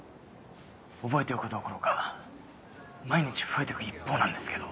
覚えておくどころか毎日増えてく一方なんですけど。